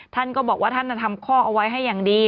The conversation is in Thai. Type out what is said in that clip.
ท่านก็บอกว่าท่านทำข้อเอาไว้ให้อย่างดี